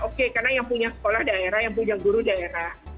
oke karena yang punya sekolah daerah yang punya guru daerah